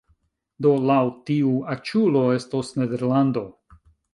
Do laŭ tiu aĉulo estos Nederlando